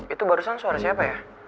itu barusan suara siapa ya